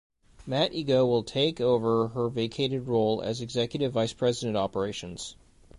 Matt Igoe will take over her vacated role as Executive Vice President Operations.